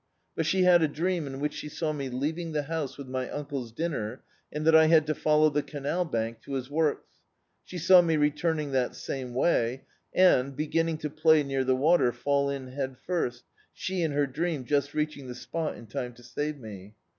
But she had a dream in which she saw me leaving the house with my uncle's dinner, and that I had to follow the canal bank to his works, ^e saw me returning that same way, and, be^nning to play near the water, fall in head first, sh^ in Her dream, just reaching the spot in time to save me.